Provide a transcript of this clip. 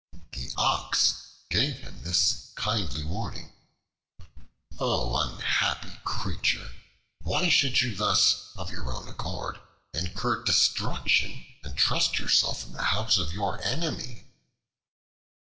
An Ox gave him this kindly warning: "O unhappy creature! why should you thus, of your own accord, incur destruction and trust yourself in the house of your enemy?"